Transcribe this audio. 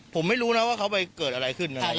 ผมไม่รู้นะว่าเขาไปเกิดอะไรขึ้นนะครับ